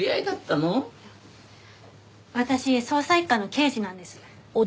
私捜査一課の刑事なんです。